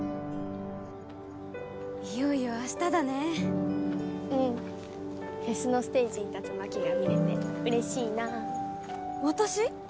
いよいよ明日だねうんフェスのステージに立つ眞妃が見れてうれしいな私？